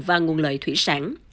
và nguồn lợi thủy sản